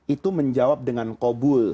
itu menjawab dengan kobul